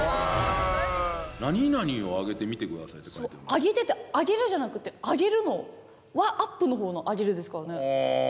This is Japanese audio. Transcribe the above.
「上げて」ってあげるじゃなくて上げるのはアップのほうの上げるですかね。